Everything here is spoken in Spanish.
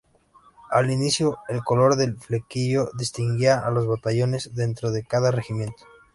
Al inicio el color del flequillo distinguía a los batallones dentro de cada regimiento.